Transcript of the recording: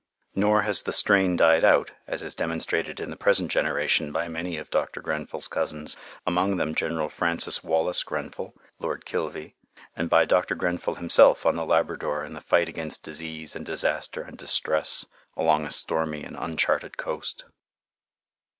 Nor has the strain died out, as is demonstrated in the present generation by many of Dr. Grenfell's cousins, among them General Francis Wallace Grenfell, Lord Kilvey, and by Dr. Grenfell himself on the Labrador in the fight against disease and disaster and distress along a stormy and uncharted coast.